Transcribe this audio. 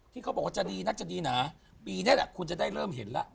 เขาบอกว่าจะดีนักจะดีหนาปีนี้แหละคุณจะได้เริ่มเห็นแล้ว